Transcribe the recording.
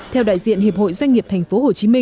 theo đại diện hiệp hội doanh nghiệp thành phố